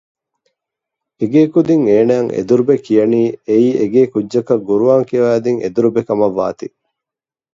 އެގޭ ކުދިން އޭނާއަށް އެދުރުބެ ކިޔަނީ އެއީ އެގޭ ކުއްޖަކަށް ޤުރްއާން ކިޔަވައިދިން އެދުރުބެ ކަމަށް ވާތީ